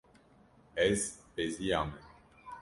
Ez beziyame.